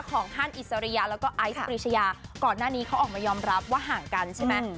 ของท่านอิสริยะแล้วก็ไอซ์ปรีชยาก่อนหน้านี้เขาออกมายอมรับว่าห่างกันใช่ไหม